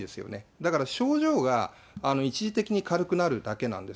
だから症状が一時的に軽くなるだけなんです。